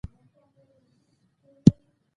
هیله لرم چې زموږ څېړونکي دا کار وکړي.